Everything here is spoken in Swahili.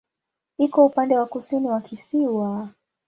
Iko upande wa kusini wa kisiwa.